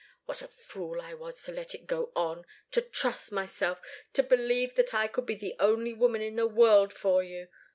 What a fool I was to let it go on, to trust myself, to believe that I could be the only woman in the world for you!